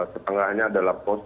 setengahnya adalah post